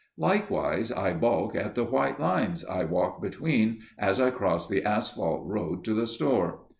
Likewise I balk at the white lines I walk between as I cross the asphalt road to the store.